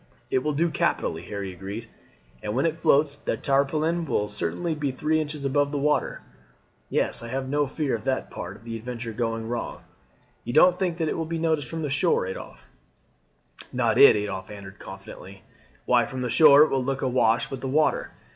"It will do capitally," Harry agreed, "and when it floats the tarpaulin will certainly be three inches above the water. Yes, I have no fear of that part of the adventure going wrong. You don't think that it will be noticed from the shore, Adolphe?" "Not it," Adolphe answered confidently. "Why, from the shore it will look awash with the water.